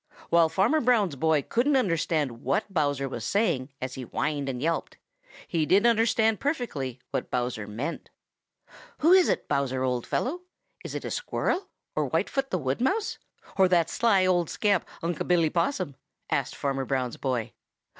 While Farmer Brown's boy couldn't understand what Bowser was saying as he whined and yelped, he did understand perfectly what Bowser meant. "Who is it, Bowser, old fellow? Is it a Squirrel, or Whitefoot the Wood Mouse, or that sly old scamp, Unc' Billy Possum?" asked Farmer Brown's boy.